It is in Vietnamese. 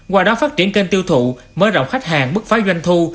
qua đó phát triển kênh tiêu thụ mở rộng khách hàng bức phá doanh thu